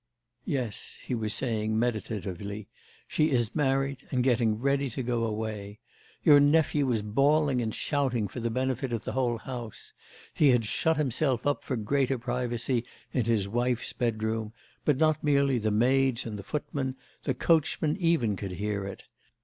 'Yes,' he was saying meditatively, 'she is married and getting ready to go away. Your nephew was bawling and shouting for the benefit of the whole house; he had shut himself up for greater privacy in his wife's bedroom, but not merely the maids and the footmen, the coachman even could hear it all!